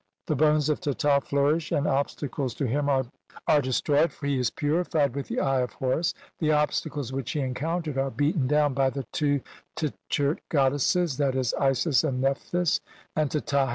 The "bones of Teta flourish and obstacles to him are de stroyed, for he is purified with the Eye of Horus. "The obstacles which he encountered are beaten down "by the two Tcliert goddesses {I. c, Isis and Neph "thys), and Teta.